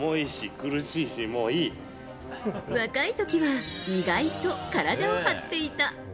若い時は意外と体を張っていた。